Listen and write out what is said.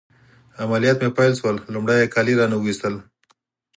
عملیات مې پیل شول، لمړی يې کالي رانه وایستل.